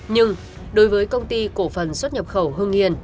nhưng đối với công ty cổ phần xuất nhập khẩu hưng hiền